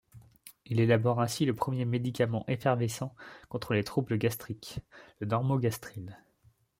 Il élabore ainsi le premier médicament effervescent contre les troubles gastriques, le Normogastryl.